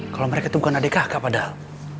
kalo mereka tuh bukan adik kakak padahal